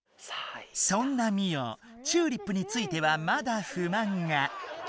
そんなミオ「チューリップ」についてはまだふまんが。